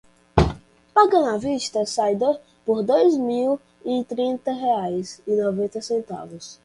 Pagando à vista sai por dois mil e trinta reais e noventa centavos.